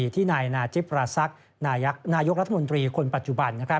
ที่นายนาจิปราศักดิ์นายกรัฐมนตรีคนปัจจุบัน